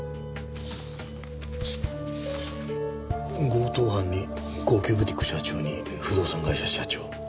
強盗犯に高級ブティック社長に不動産会社社長。